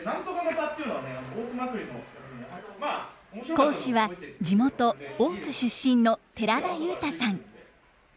講師は地元大津出身の寺田悠太さん。